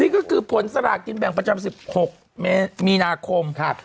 นี่ก็คือผลสลากกินแบ่งประจำ๑๖มีนาคม